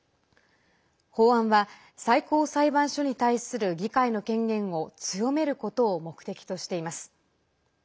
法案は最高裁判所に対する議会の権限を強めることを目的としています。